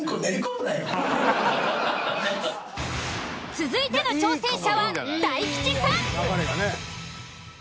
続いての挑戦者は大吉さん。